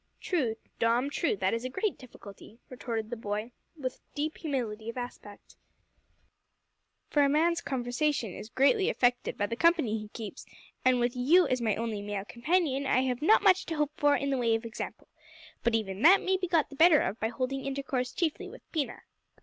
"True, Dom, true, that is a great difficulty," retorted the boy, with deep humility of aspect, "for a man's conversation is greatly affected by the company he keeps, and with you as my only male companion, I have not much to hope for in the way of example. But even that may be got the better of by holding intercourse chiefly with Pina."